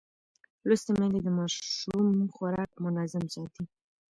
لوستې میندې د ماشوم خوراک منظم ساتي.